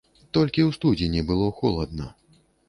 Толькі ў студзені было холадна.